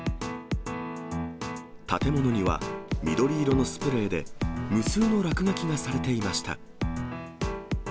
建物には緑色のスプレーで、無数の落書きがされていました。